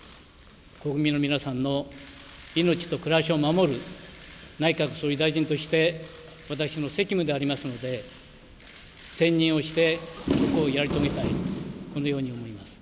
国民の皆さんの命と暮らしを守る内閣総理大臣として私の責務でありますので専念をしてやり遂げたい、このように思います。